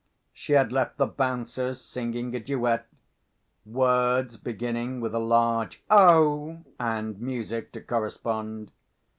She had left the Bouncers singing a duet—words beginning with a large "O," and music to correspond.